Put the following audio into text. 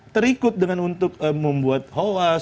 terikut dengan untuk membuat hoax